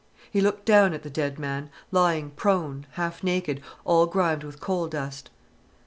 He looked down at the dead man, lying prone, half naked, all grimed with coal dust.